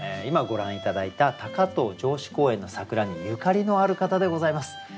今ご覧頂いた高遠城址公園の桜にゆかりのある方でございます。